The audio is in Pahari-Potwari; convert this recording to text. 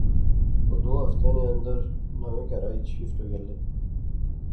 اوہ دو ہفتیاں نے اندر نویں کہراچ شفٹ ہوئی الے